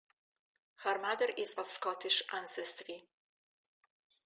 Her mother is of Scottish ancestry.